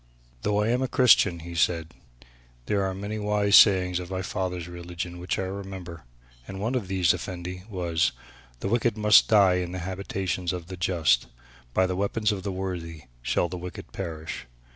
"Though I am a Christian," he said, "there are many wise sayings of my father's religion which I remember. And one of these, Effendi, was, 'the wicked must die in the habitations of the just, by the weapons of the worthy shall the wicked perish.'